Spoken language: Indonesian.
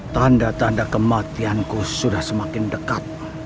tanda tanda kematianku sudah semakin dekat